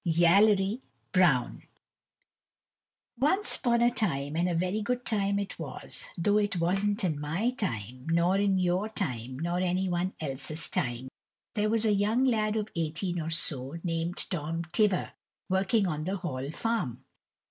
Yallery Brown Once upon a time, and a very good time it was, though it wasn't in my time, nor in your time, nor any one else's time, there was a young lad of eighteen or so named Tom Tiver working on the Hall Farm.